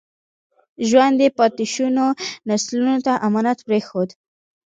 ژوند یې پاتې شونو نسلونو ته امانت پرېښود.